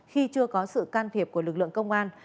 khi chưa có sự can thiệp của lực lượng công an